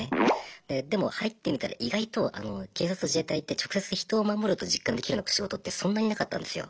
でも入ってみたら意外と警察と自衛隊って直接人を守ると実感できるような仕事ってそんなになかったんですよ。